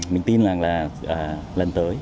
mình tin rằng là